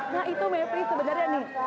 nah itu mepri sebenarnya nih